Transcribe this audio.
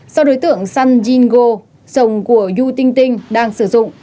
sau đối tượng sun jin go sông của yu tinh tinh đang sử dụng